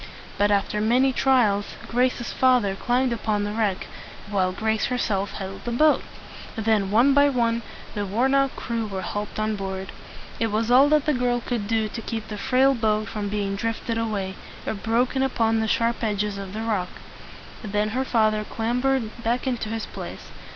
But after many trials, Grace's father climbed upon the wreck, while Grace herself held the boat. Then one by one the worn out crew were helped on board. It was all that the girl could do to keep the frail boat from being drifted away, or broken upon the sharp edges of the rock. Then her father clam bered back into his place.